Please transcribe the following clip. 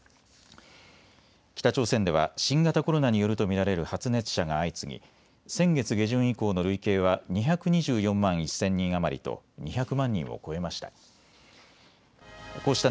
北朝鮮では新型コロナによると見られる発熱者が相次ぎ先月下旬以降の累計は２２４万１０００人余りと２００万人を超えました。